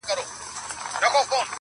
پر اسمان یې د پردیو غوبل جوړ دی-